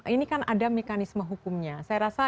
ini kan ada mekanisme hukumnya saya rasa